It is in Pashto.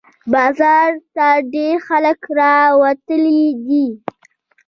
بازار ته ډېر خلق راوتي دي